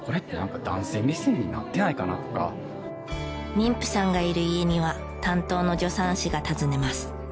妊婦さんがいる家には担当の助産師が訪ねます。